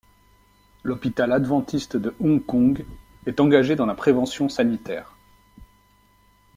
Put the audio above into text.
L’hôpital adventiste de Hong Kong est engagé dans la prévention sanitaire.